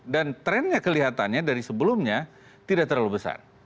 dan trendnya kelihatannya dari sebelumnya tidak terlalu besar